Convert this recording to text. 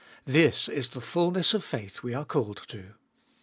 This is the fulness of faith we are called to.